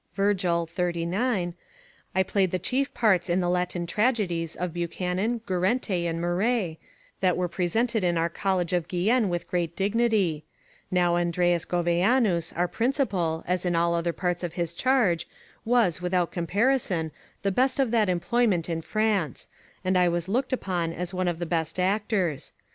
Virgil, Bucol., 39.] I played the chief parts in the Latin tragedies of Buchanan, Guerente, and Muret, that were presented in our College of Guienne with great dignity: now Andreas Goveanus, our principal, as in all other parts of his charge, was, without comparison, the best of that employment in France; and I was looked upon as one of the best actors.